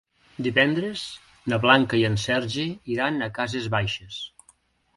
Divendres na Blanca i en Sergi iran a Cases Baixes.